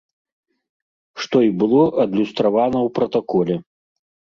Што й было адлюстравана ў пратаколе.